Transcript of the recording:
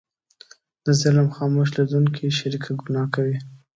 د ظلم خاموش لیدونکی شریکه ګناه کوي.